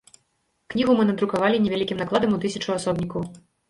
Кнігу мы надрукавалі невялікім накладам у тысячу асобнікаў.